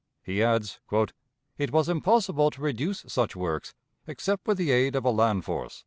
He adds, "It was impossible to reduce such works, except with the aid of a land force."